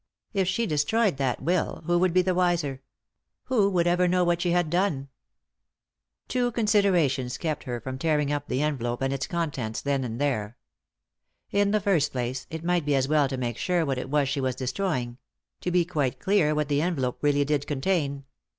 If she destroyed that will, who would be the wiser ? Who would ever know what she had done ? Two considerations kept her from tearing up the envelope and its contents there and then. In the first place, it might be as well to make sure what it was she was destroying ; to be quite clear what the envelope really did contain.